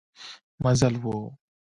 مزل و.